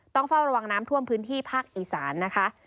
ต้องเฝ้าระวังน้ำท่วมพื้นที่ภาคอีสานนะคะ